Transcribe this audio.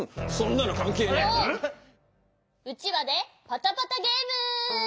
うちわでパタパタゲーム！